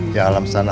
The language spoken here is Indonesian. ya alam sana